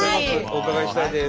お伺いしたいです。